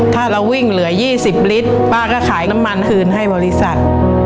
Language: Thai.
ถ้าเราวิ่งเหลือ๒๐ลิตรป้าก็ขายน้ำมันคืนให้บริษัท